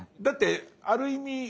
だってある意味